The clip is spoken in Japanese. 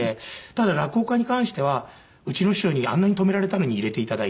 ただ落語家に関してはうちの師匠にあんなに止められたのに入れて頂いて。